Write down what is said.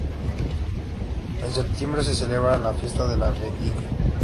En septiembre se celebra la fiesta de la vendimia.